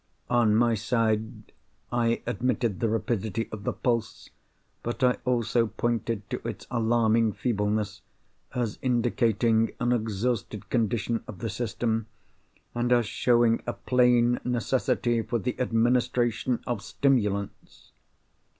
On my side, I admitted the rapidity of the pulse, but I also pointed to its alarming feebleness as indicating an exhausted condition of the system, and as showing a plain necessity for the administration of stimulants.